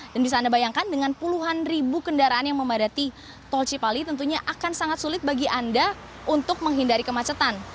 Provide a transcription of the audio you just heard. dan bisa anda bayangkan dengan puluhan ribu kendaraan yang memadati tol cipali tentunya akan sangat sulit bagi anda untuk menghindari kemacetan